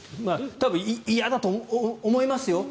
多分、嫌だと思いますよ。